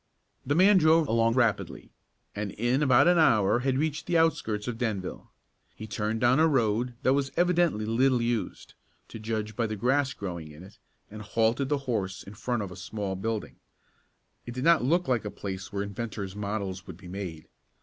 The man drove along rapidly, and in about an hour had reached the outskirts of Denville. He turned down a road that was evidently little used, to judge by the grass growing in it, and halted the horse in front of a small building. It did not look like a place where inventors' models would be made.